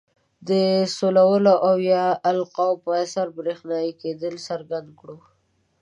د سولولو او یا القاء په اثر برېښنايي کیدل څرګند کړو.